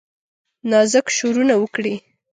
نازک شورونه وکړي